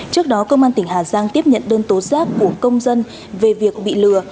trước đó công an tỉnh hà giang tiếp nhận đơn tố giác của công dân về việc bị lừa